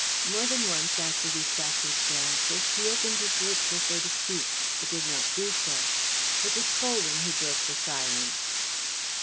More than once, after these backward glances, he opened his lips as though to speak, but did not do so. It was Colwyn who broke the silence.